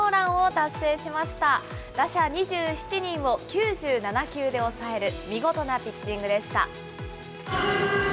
打者２７人を９７球で抑える見事なピッチングでした。